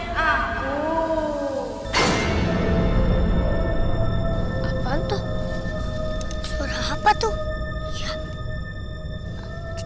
kalian mau liat aku